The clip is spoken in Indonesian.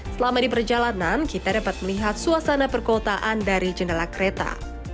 selama di perjalanan kita dapat melihat suasana perkotaan dari jendela kereta